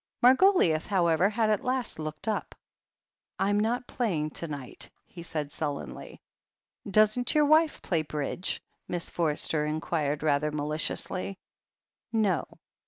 Margoliouth, however, had at last looked up. 'I'm not playing to night," he said sullenly. 'Doesn't your wife play Bridge?" Miss Forster in quired rather maliciously. "No."